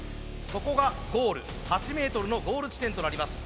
そこがゴール８メートルのゴール地点となります。